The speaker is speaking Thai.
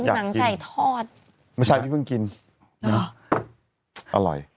อยากกินหนังไจทอดไม่ใช่พี่เพิ่งกินอร่อย